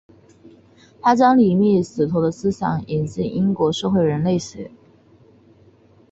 他将李维史陀的思想引进英国社会人类学。